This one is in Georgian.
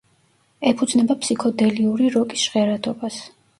ეფუძნება ფსიქოდელიური როკის ჟღერადობას.